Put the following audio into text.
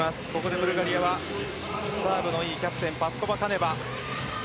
ブルガリアはここでサーブの良いキャプテンパスコバカネバ。